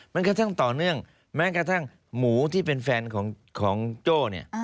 มันกระทั่งต่อเนื่องแม้กระทั่งหมูที่เป็นแฟนของโจ้เนี่ย